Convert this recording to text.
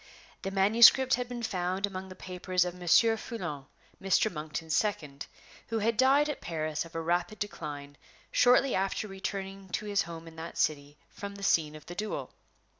The manuscript had been found among the papers of Monsieur Foulon, Mr. Monkton's second, who had died at Paris of a rapid decline shortly after returning to his home in that city from the scene of the duel.